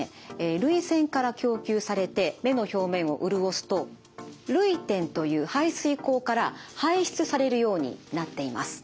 涙腺から供給されて目の表面を潤すと涙点という排水口から排出されるようになっています。